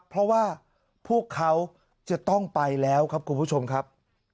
เพราะว่าพวกเขาจะต้องไปแล้วครับคุณผู้ชมครับ